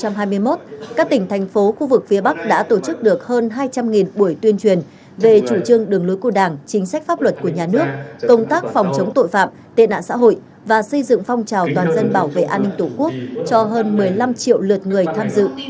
năm hai nghìn hai mươi một các tỉnh thành phố khu vực phía bắc đã tổ chức được hơn hai trăm linh buổi tuyên truyền về chủ trương đường lối của đảng chính sách pháp luật của nhà nước công tác phòng chống tội phạm tệ nạn xã hội và xây dựng phong trào toàn dân bảo vệ an ninh tổ quốc cho hơn một mươi năm triệu lượt người tham dự